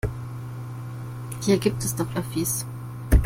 Hier gibt es doch Öffis.